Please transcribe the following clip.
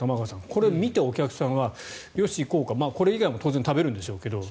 これを見てお客さんはよし、行こうかこれ以外も当然食べるんでしょうけど。